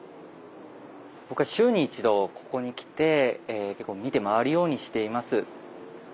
僕は週に１度ここに来て見て回るようにしています。